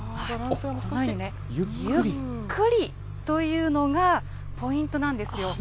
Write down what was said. ゆっくりというのがポイントなんですよ。